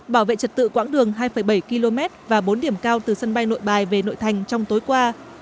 bảo vệ trật tự quãng đường hai bảy km và bốn điểm cao từ sân bay nội bài về nội thành trong tối qua